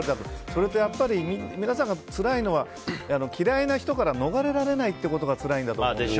それとやっぱり皆さんがつらいのは嫌いな人から逃れられないってことが辛いんだと思うんです。